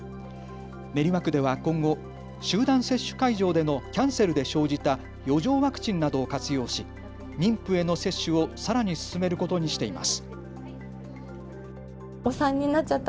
練馬区では今後、集団接種会場でのキャンセルで生じた余剰ワクチンなどを活用し妊婦への接種をさらに進めることにしています。